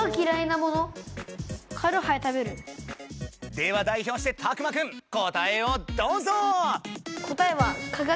では代表してたくまくん答えをどうぞ！